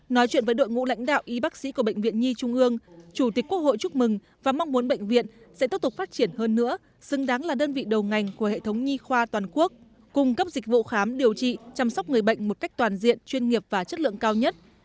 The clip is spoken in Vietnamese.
nói chuyện với đội ngũ lãnh đạo y bác sĩ của bệnh viện nhi trung ương chủ tịch quốc hội chúc mừng và mong muốn bệnh viện sẽ tiếp tục phát triển hơn nữa xứng đáng là đơn vị đầu ngành của hệ thống nhi khoa toàn quốc cung cấp dịch vụ khám điều trị chăm sóc người bệnh một cách toàn diện chuyên nghiệp và chất lượng cao nhất